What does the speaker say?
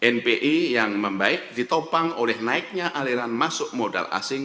npi yang membaik ditopang oleh naiknya aliran masuk modal asing